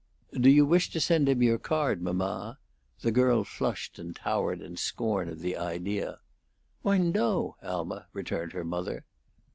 "Do you wish to send him your card, mamma?" The girl flushed and towered in scorn of the idea. "Why, no, Alma," returned her mother.